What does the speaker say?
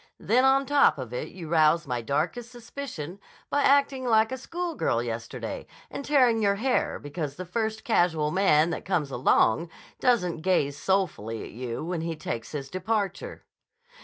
Then on top of it, you rouse my darkest suspicions by acting like a school girl yesterday and tearing your hair because the first casual man that comes along doesn't gaze soulfully at you when he takes his departure."